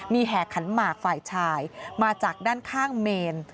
มีแห่ขันหมากฝ่ายชายมาจากด้านข้างเมน